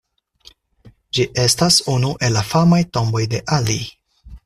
Ĝi estas unu el la famaj tomboj de Ali.